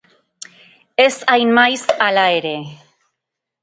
Ez hain maiz, hala ere.